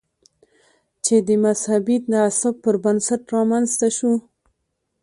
چې د مذهبي تعصب پر بنسټ رامنځته شو.